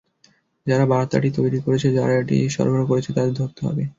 যারা বার্তাটি তৈরি করেছে, যারা এটি সরবরাহ করেছে, তাদের ধরতে হবে।